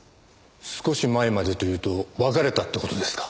少し前までというと別れたって事ですか？